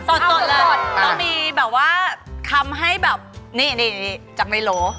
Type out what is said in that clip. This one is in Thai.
เออสดเลยเรามีแบบว่าคำให้แบบนี่จากในโหล